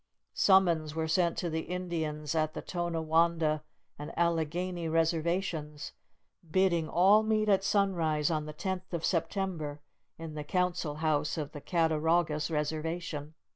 Summons were sent to the Indians at the Tonawanda and Allegany Reservations, bidding all meet at sunrise on the tenth of September, in the Council House of the Cattaraugus Reservation.